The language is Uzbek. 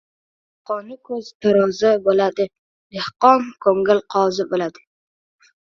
Dehqoni ko‘z tarozi bo‘ladi, dehqoni ko‘ngil qozi bo‘ladi!